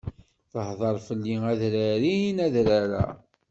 Tehdeṛ fell-i adrar-in adrar-a.